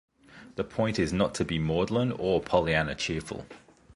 The point is not to be maudlin or Pollyanna cheerful.